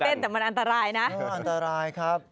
เราตื่นเต้นแต่มันอันตรายนะอันตรายครับ